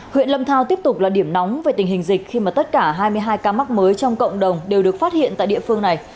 huyện lâm thao tiếp tục là điểm nóng về tình hình dịch khi mà tất cả hai mươi hai ca mắc mới trong cộng đồng đều được phát hiện tại địa phương này